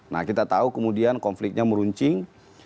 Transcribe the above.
nah kita tahu kemudian konfliknya meruncing